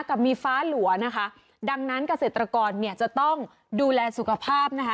กับมีฟ้าหลัวนะคะดังนั้นเกษตรกรเนี่ยจะต้องดูแลสุขภาพนะคะ